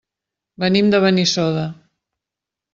Venim de Benissoda.